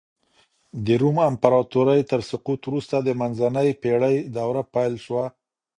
د روم امپراطورۍ تر سقوط وروسته د منځنۍ پېړۍ دوره پيل سوه.